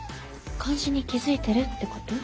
監視に気付いてるってこと？